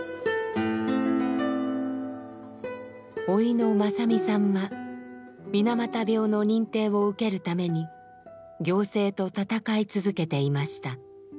甥の正実さんは水俣病の認定を受けるために行政と闘い続けていました。